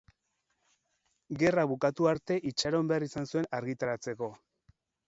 Gerra bukatu arte itxaron behar izan zuen argitaratzeko.